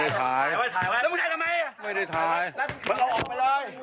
เราออกไปเลย